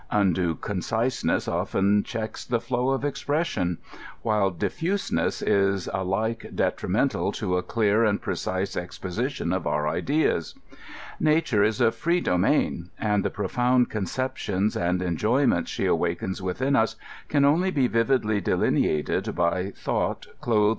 Undue concise ness often checks the flow of expression, while difliiseness is alike detrimental to a clear and precise exposition of our ideas. Nature is a free domain, and &e profound conceptions and enjo3rments ^e awakens within us can only be vividly deline ated by thought clothed